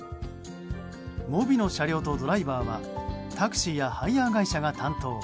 ｍｏｂｉの車両とドライバーはタクシーやハイヤー会社が担当。